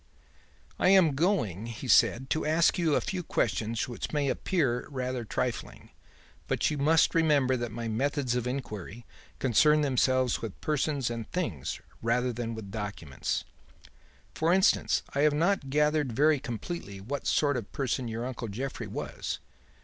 "I am going," he said, "to ask you a few questions which may appear rather trifling, but you must remember that my methods of inquiry concern themselves with persons and things rather than with documents. For instance, I have not gathered very completely what sort of person your uncle Jeffrey was.